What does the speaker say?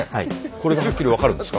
これがはっきり分かるんですか。